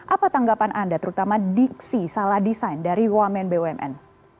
apa tanggapan anda terutama diksi salah desain dari wamen bumn